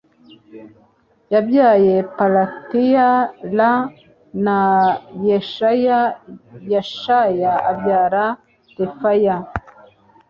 yabyaye Pelatiya l na Yeshaya Yeshaya abyara Refaya